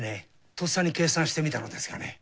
とっさに計算してみたのですがね